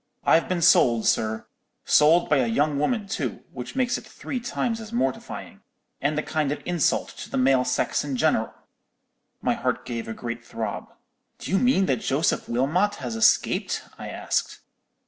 I've been sold, sir—sold by a young woman too, which makes it three times as mortifying, and a kind of insult to the male sex in general!' "My heart gave a great throb. "'Do you mean that Joseph Wilmot has escaped? I asked.